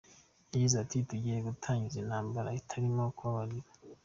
Yagize ati,“Tugiye gutangiza intambara itarimo kubabarira.